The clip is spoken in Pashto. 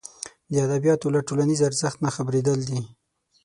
د ادبیاتو له ټولنیز ارزښت نه خبرېدل دي.